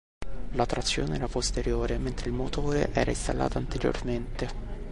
La trazione era posteriore, mentre il motore era installato anteriormente.